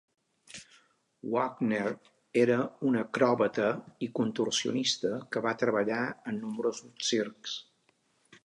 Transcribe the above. Wagner era una acròbata i contorsionista, que va treballar en nombrosos circs.